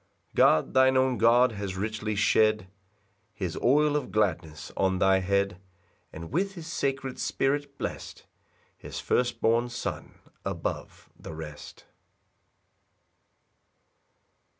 6 God, thine own God, has richly shed His oil of gladness on thy head, And with his sacred Spirit blest His first born Son above the rest.